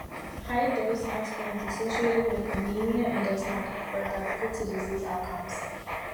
High-dose aspirin is associated with anemia and does not confer benefit to disease outcomes.